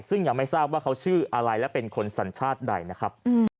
ซึ่งยังไม่ทราบว่าเขาชื่ออะไรและเป็นคนสัญชาติใดนะครับ